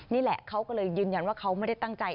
นี่แหละเขาก็เลยยืนยันว่าเขาไม่ได้ตั้งใจ